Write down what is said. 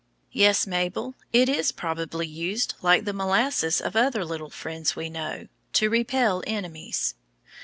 Yes, Mabel, it is probably used, like the "molasses" of other little friends we know, to repel enemies.